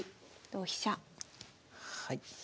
同飛車。